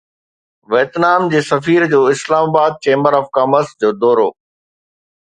Vietnam جي سفير جو Islamabad chamber of commerce جو دورو